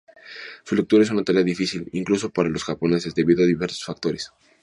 Su lectura es una tarea difícil —incluso para los japoneses— debido a diversos factores.